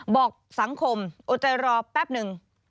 บอกสังคมอดใจรอแป๊บนึง